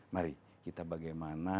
mari kita bagaimana